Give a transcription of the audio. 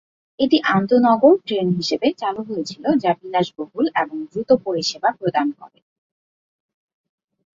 এটি আন্তঃনগর ট্রেন হিসাবে চালু হয়েছিল যা বিলাসবহুল এবং দ্রুত পরিষেবা প্রদান করে।